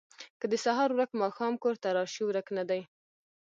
ـ که د سهار ورک ماښام کور ته راشي ورک نه دی.